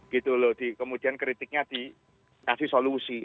kemudian kritiknya dikasih solusi